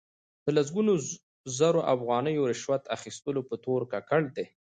د لسګونو زرو افغانیو رشوت اخستلو په تور ککړ دي.